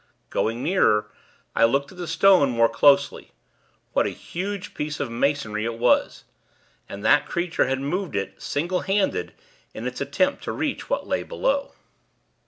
Going nearer, I looked at the stone, more closely. What a huge piece of masonry it was! And that creature had moved it, single handed, in its attempt to reach what lay below.